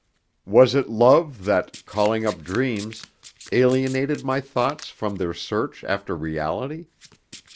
Was it love that, calling up dreams, alienated my thoughts from their search after reality?